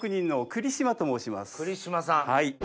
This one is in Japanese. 栗島さん。